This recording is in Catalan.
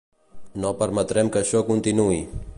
No permetrem que això continuï.